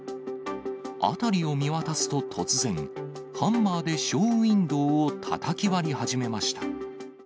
辺りを見渡すと突然、ハンマーでショーウインドーをたたき割り始めました。